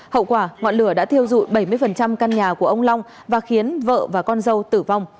hậu quả ngọn lửa đã thiêu dụi bảy mươi căn nhà của ông long và khiến vợ và con dâu tử vong